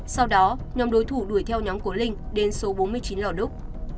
sau đó nhóm đối thủ đuổi theo nhóm của linh đến số bốn mươi chín lò đúc